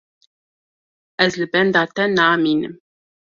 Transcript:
Ez li benda te namînim.